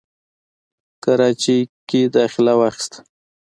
کراچۍ کښې داخله واخسته،